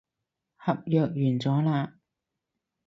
合約完咗喇